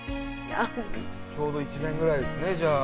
ちょうど１年ぐらいですねじゃあ。